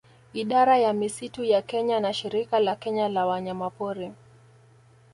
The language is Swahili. Idara ya misitu ya Kenya na Shirika la Kenya la Wanyamapori